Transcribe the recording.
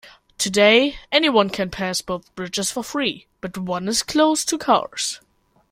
Today, anyone can pass both bridges for free, but one is closed to cars.